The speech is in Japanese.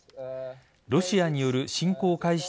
ロシアによる侵攻開始